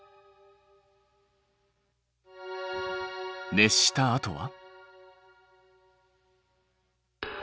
熱したあとは？